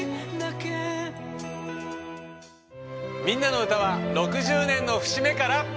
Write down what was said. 「みんなのうた」は６０年の節目から。